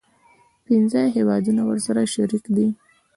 پنځه هیوادونه ورسره شریک دي.